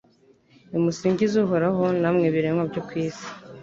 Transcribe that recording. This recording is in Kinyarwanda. Nimusingize Uhoraho namwe biremwa byo ku isi